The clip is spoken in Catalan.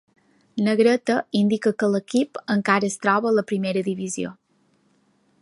Negreta indica que l'equip encara es troba a la primera divisió.